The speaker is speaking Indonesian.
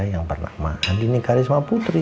yang bernakmah andin karisma putri